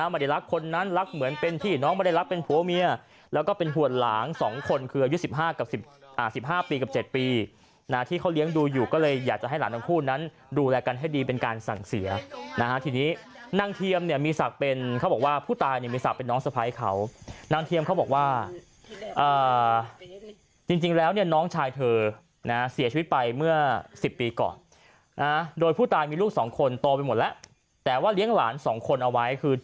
ไม่ได้รักคนนั้นรักเหมือนเป็นที่น้องไม่ได้รักเป็นผัวเมียแล้วก็เป็นหัวหลางสองคนคืออายุสิบห้ากับสิบอ่าสิบห้าปีกับเจ็ดปีนะที่เขาเลี้ยงดูอยู่ก็เลยอยากจะให้หลานทั้งคู่นั้นดูแลกันให้ดีเป็นการสั่งเสียนะฮะทีนี้นั่งเทียมเนี่ยมีสักเป็นเขาบอกว่าผู้ตายเนี่ยมีสักเป็นน้องสะพายเขานางเทียมเขาบอกว่